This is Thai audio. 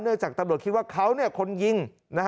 เนื่องจากตำรวจคิดว่าเขาคนยิง